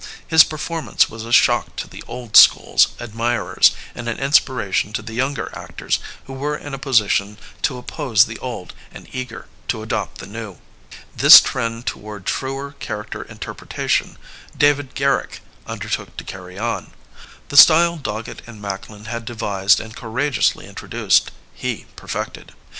His performance was a shock to the old school's '' admirers and an inspiration to the younger actors who were in a position to oppose the old and eager to adopt the new. This trend toward truer character interpretation, David Garrick undertook to carry on. The style Dogget and Macklin had devised and courageously introduced, he perfected.